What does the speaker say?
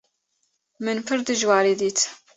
Min pir dijwarî dît.